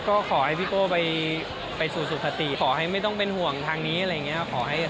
ก็ขอให้พี่โก้ไปสู่สุขติขอให้ไม่ต้องเป็นห่วงทางนี้อะไรอย่างนี้